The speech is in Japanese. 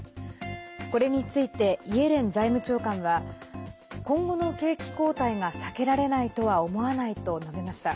これについてイエレン財務長官は今後の景気後退が避けられないとは思わないと述べました。